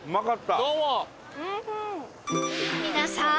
皆さん！